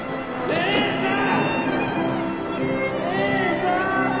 姉さん！